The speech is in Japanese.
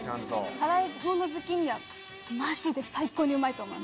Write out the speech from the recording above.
辛いもの好きにはマジで最高にうまいと思います。